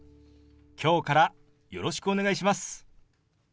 今日からよろしくお願いします。